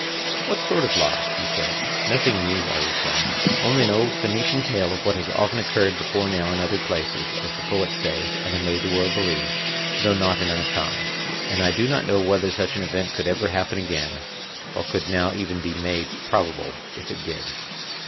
What sort of lie? he said. Nothing new, I replied; only an old Phoenician tale (Laws) of what has often occurred before now in other places, (as the poets say, and have made the world believe,) though not in our time, and I do not know whether such an event could ever happen again, or could now even be made probable, if it did.